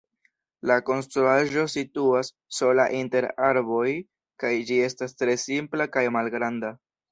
La konstruaĵo situas sola inter arboj kaj ĝi estas tre simpla kaj malgranda.